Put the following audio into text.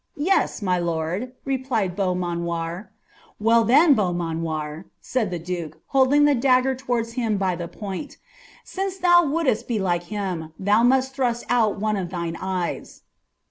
" Yes, my lord," replied Beaumanoir. " Well, then, Beaumanoir," said ihe duke, holding lh« dae^ him by the point, "since ihou wouldest heUke him, thou inui out one of thine eyes.'"